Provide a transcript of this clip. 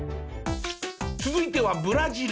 続いてはブラジル。